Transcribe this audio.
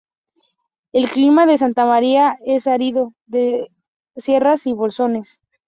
El clima de Santa María es árido de sierras y bolsones.